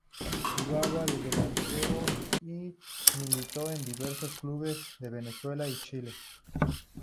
Jugaba de delantero y militó en diversos clubes de Venezuela y Chile.